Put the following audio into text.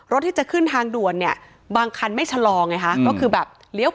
พอที่จะขึ้นทางด่วนเนี้ยบางครรภ์ไม่ชะลองไอ้ค่ะก็คือแบบ